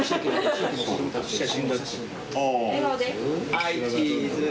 ・はいチズ。